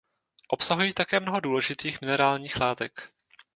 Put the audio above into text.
Obsahují také mnoho důležitých minerálních látek.